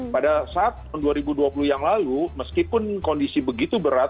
pada saat tahun dua ribu dua puluh yang lalu meskipun kondisi begitu berat